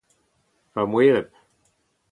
ma moereb